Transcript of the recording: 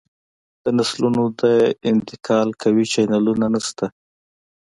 د نسلونو د انتقال قوي چینلونه نشته